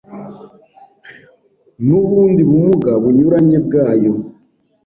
n’ubundi bumuga bunyuranye bwayo